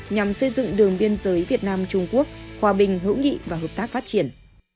nhằm xây dựng đường biên giới việt nam trung quốc hòa bình hữu nghị và hợp tác phát triển